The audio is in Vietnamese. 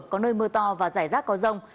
có nơi mưa to và giải rác có rông